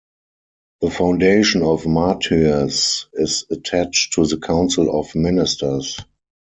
The Foundation of Martyrs is attached to the Council of Ministers.